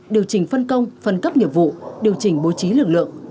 điều chỉnh phân công phân cấp nghiệp vụ điều chỉnh bố trí lực lượng